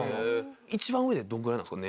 一番上でどのぐらいなんですか？